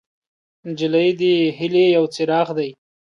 نجلۍ د هیلې یو څراغ دی.